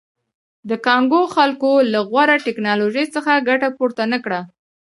د کانګو خلکو له غوره ټکنالوژۍ څخه ګټه پورته نه کړه.